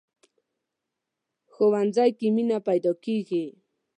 ښوونځی کې مینه پيداکېږي